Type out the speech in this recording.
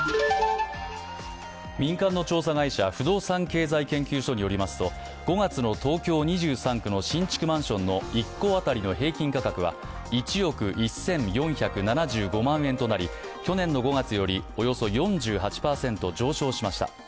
民間の調査会社不動産経済研究所によりますと５月の東京２３区の新築マンションの１戸当たりの平均価格は１億１４７５万円となり、去年の５月よりおよそ４８％上昇しました。